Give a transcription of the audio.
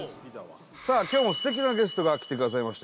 さあ、今日も素敵なゲストが来てくださいました。